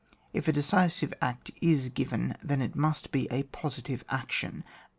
If a decisive act is given, then it must be a positive action.